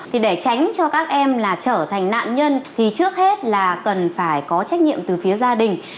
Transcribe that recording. thì để tránh cho các em là trở thành nạn nhân thì trước hết là cần phải có trách nhiệm từ phía gia đình